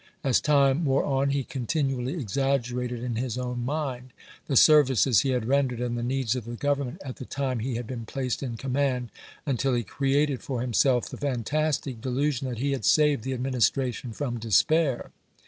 As time wore on he continually exaggerated 26 ABRAHAM LINCOLN Chap. I. in Ws own mind the services lie had rendered and the needs of the Grovernment at the time he had been placed in command, until he created for him self the fantastic delusion that he had saved the Administration from despair